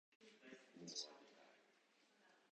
もう終わりたい